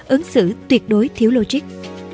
ứng xử tuyệt đối thiếu logic